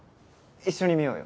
一緒に見ようよ